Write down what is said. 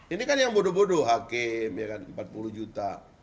ini kan yang bodoh bodoh hakim ya kan empat puluh juta